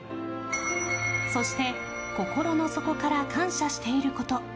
そして心の底から感謝していること。